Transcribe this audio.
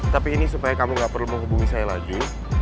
tapi ini supaya kamu gak perlu menghubungi saya lagi